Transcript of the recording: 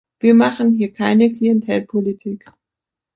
Wir machen hier keine Klientelpolitik.